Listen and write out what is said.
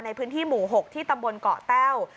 ในพื้นที่หมู่๖ที่ตำบลเกาะแต้ว